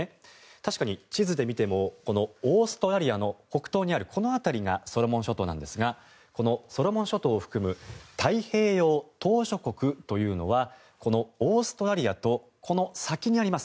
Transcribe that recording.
確かに地図で見てもオーストラリアの北東にあるこの辺りがソロモン諸島なんですがこのソロモン諸島を含む太平洋島しょ国というのはこのオーストラリアとこの先にあります